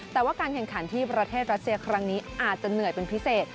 แต่ว่าการแข่งขันที่ประเทศรัสเซียครั้งนี้อาจจะเหนื่อยเป็นพิเศษ